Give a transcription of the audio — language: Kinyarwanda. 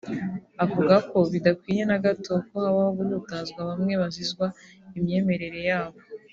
avuga ko bidakwiye na gato ko habaho guhutaza bamwe bazizwa imyemerere yabo